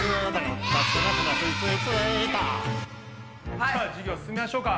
じゃあ授業進めましょうか。